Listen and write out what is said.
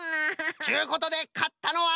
ちゅうことでかったのは。